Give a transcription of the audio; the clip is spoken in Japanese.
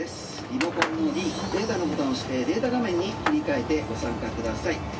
「リモコンのｄデータのボタンを押してデータ画面に切り替えてご参加ください」